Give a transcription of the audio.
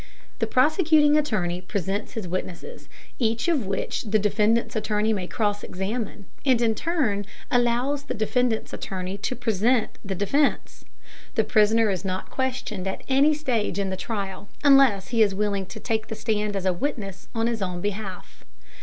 The prosecuting attorney presents his witnesses, each of which the defendant's attorney may cross examine, and in turn allows the defendant's attorney to present the defense. The prisoner is not questioned at any stage in the trial, unless he is willing to take the stand as a witness in his own behalf.